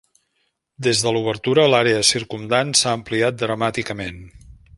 Des de l'obertura, l'àrea circumdant s'ha ampliat dramàticament.